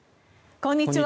こんにちは。